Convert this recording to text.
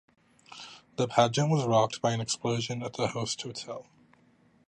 That pageant was rocked by an explosion at the host hotel.